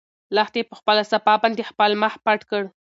لښتې په خپله صافه باندې خپل مخ پټ کړ.